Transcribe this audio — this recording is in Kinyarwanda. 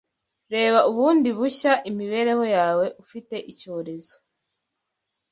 Reba bundi bushya imibereho yawe ufite icyorezo